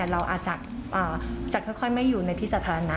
เราอาจจะค่อยไม่อยู่ในที่สาธารณะ